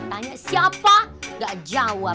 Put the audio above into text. tanya siapa gak jawab